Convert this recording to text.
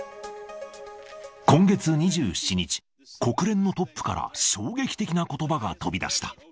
今月２７日、国連のトップから衝撃的なことばが飛びだした。